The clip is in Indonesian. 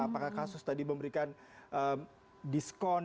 apakah kasus tadi memberikan diskon